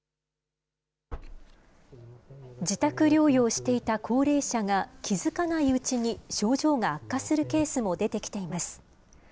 自宅療養していた高齢者が、気付かないうちに症状が悪化するケースも出てきています。